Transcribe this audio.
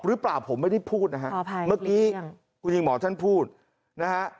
รึเปล่าผมไม่ได้พูดนะฮะเมื่อกี้ปรุงมาท่านพูดนะคะ